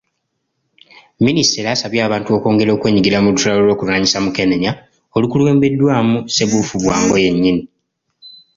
Minisita era asabye abantu okwongera okwenyigira mu lutalo lw'okulwanyisa Mukenenya olukulembeddwamu Ssebuufubwango yennyini.